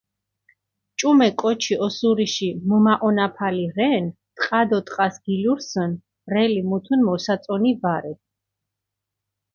ჭუმე კოჩი ოსურიში მჷმაჸონაფალი რენ, ტყა დო ტყას გილურსჷნ, ბრელი მუთუნ მოსაწონი ვარე.